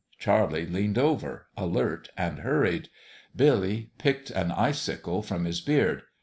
Charlie leaned over, alert and hurried. Billy picked an icicle from his beard.